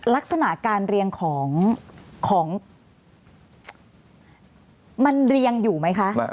ลักษณะการเรียงของมันเรียงอยู่ไหมคะ